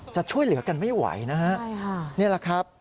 จะช่วยเหลือกันไม่ไหวนะฮะใช่ค่ะนี่แหละครับ